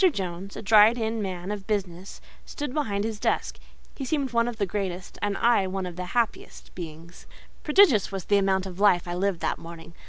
Jones, a dried in man of business, stood behind his desk: he seemed one of the greatest, and I one of the happiest of beings. Prodigious was the amount of life I lived that morning.